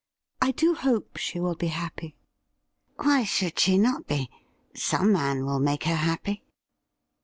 I do hope she will be happy.' ' Why should she not be ? Some man will make her happy.'